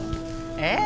ええ。